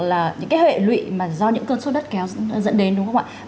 là những cái hệ lụy mà do những cơn sốt đất kéo dẫn đến đúng không ạ